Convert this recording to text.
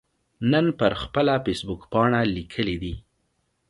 نن پر خپله فیسبوکپاڼه لیکلي دي